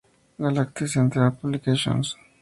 Galactic Central Publications.